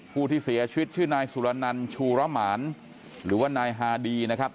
ผู้ที่เสียชีวิตชื่อนายสุรนันชูระหมานหรือว่านายฮาดีนะครับ